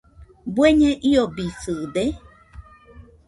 ¿Bueñe iobisɨde?